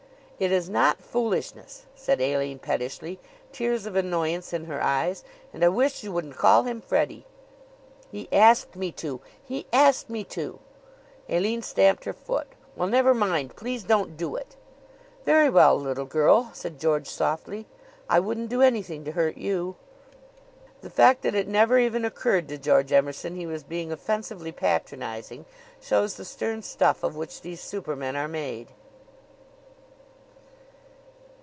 "It is not foolishness," said Aline pettishly, tears of annoyance in her eyes. "And I wish you wouldn't call him Freddie." "He asked me to. He asked me to!" Aline stamped her foot. "Well, never mind. Please don't do it." "Very well, little girl," said George softly. "I wouldn't do anything to hurt you." The fact that it never even occurred to George Emerson he was being offensively patronizing shows the stern stuff of which these supermen are made.